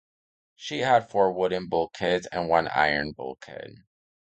She had four wooden bulkheads and one iron bulkhead.